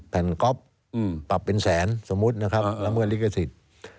แผ่นก๊อฟปรับเป็นแสนสมมุตินะครับละเมิดลิขสิทธิ์